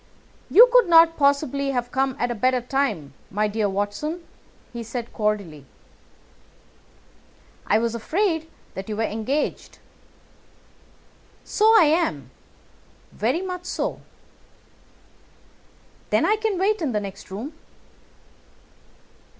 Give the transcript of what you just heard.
"You could not possibly have come at a better time, my dear Watson," he said cordially. "I was afraid that you were engaged." "So I am. Very much so." "Then I can wait in the next room."